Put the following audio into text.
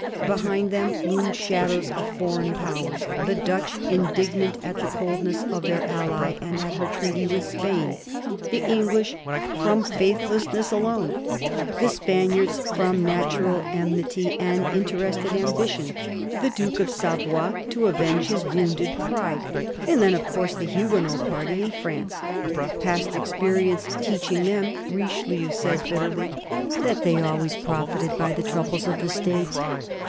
Behind them loomed shadows of foreign Powers : the Dutch, indignant at the coldness of their ally and at her treaty with Spain ; the English, " from faithless ness alone "; the Spaniards, from natural enmity and interested ambition ; the Duke of Savoy, to avenge his wounded pride ; and then, of course, the Huguenot party in France— past experience teaching them, Richelieu says bitterly, that they always profited by the troubles of the State.